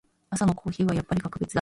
朝のコーヒーはやっぱり格別だ。